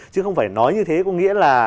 chứ không phải nói như thế có nghĩa là